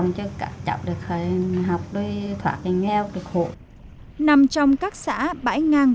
nằm trong các xã bãi ngang